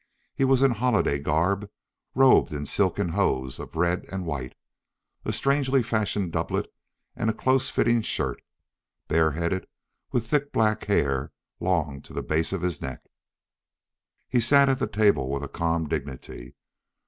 He was in holiday garb, robed in silken hose of red and white, a strangely fashioned doublet, and a close fitting shirt. Bare headed, with thick black hair, long to the base of his neck. He sat at the table with a calm dignity.